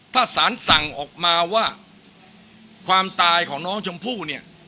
ถ้าสารสั่งออกมาว่าความตายของน้องชมพู่เนี่ย